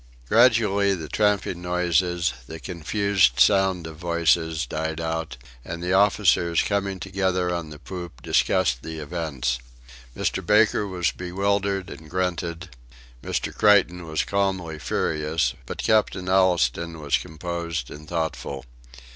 Gradually the tramping noises, the confused sound of voices, died out, and the officers, coming together on the poop, discussed the events. Mr. Baker was bewildered and grunted; Mr. Creighton was calmly furious; but Captain Allistoun was composed and thoughtful.